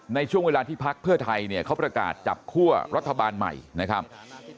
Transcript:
ในช่วงเวลาที่พักเพื่อไทยเนี่ยเขาประกาศจับคั่วรัฐบาลใหม่นะครับ